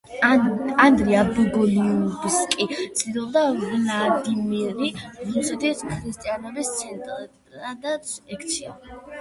ანდრია ბოგოლიუბსკი ცდილობდა ვლადიმირი რუსეთის ქრისტიანობის ცენტრადაც ექცია.